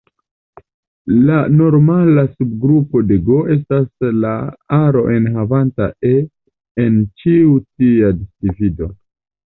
Normala subgrupo de "G" estas la aro enhavanta "e" en ĉiu tia disdivido.